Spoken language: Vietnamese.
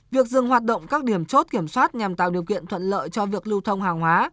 việc dừng hoạt động các điểm chốt kiểm soát nhằm tạo điều kiện thuận lợi cho việc lưu thông hàng hóa